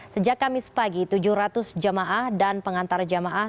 sejak kamis pagi tujuh ratus jamaah dan pengantar jamaah